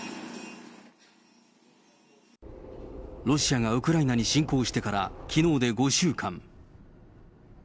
ロシアがウクライナに侵攻してからきのうで５週間。